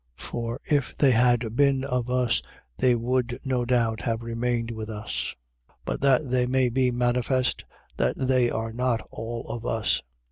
For if they had been of us, they would no doubt have remained with us: but that they may be manifest, that they are not all of us.